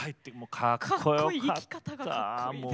かっこよかったもう。